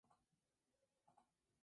Pero este año todo va ser muy distinto.